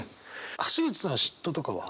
橋口さんは嫉妬とかは？